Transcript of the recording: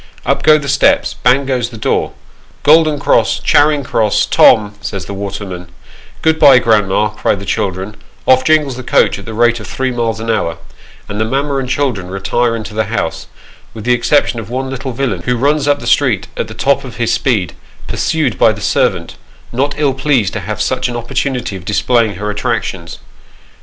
Up go the steps, bang goes the door, " Golden Cross, Charing Cross, Tom," says the waterman ;" Good bye, grandma," cry the children, off jingles the coach at the rate of three miles an hour, and the mamma and children retire into the house, with the exception of one little villain, who runs up the street at the top of his speed, pursued by the servant ; not ill pleased to have such an opportunity of displaying her attractions.